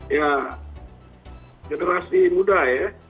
ya generasi muda ya